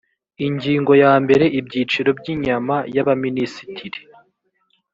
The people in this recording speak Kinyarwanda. ingingo ya mbere ibyiciro by inyama yabaminisitiri